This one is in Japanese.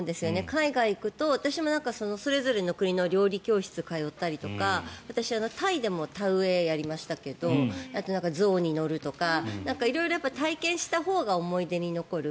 海外行くと私もそれぞれの国の料理教室に通ったりとか私はタイでも田植えをやりましたけどあとは象に乗るとか色々、体験したほうが思い出に残る。